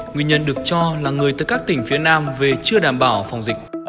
nguyên nhân được cho là người từ các tỉnh phía nam về chưa đảm bảo phòng dịch